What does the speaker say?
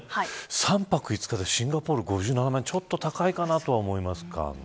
３泊５日でシンガポール５７万円ちょっと高いかなと思いますかね。